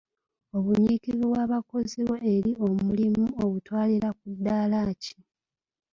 Obunyiikivu bw'abakozi bo eri omulimu obutwalira ku ddaala ki?